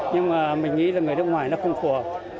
nhưng mà mình nghĩ là người nước ngoài nó không phù hợp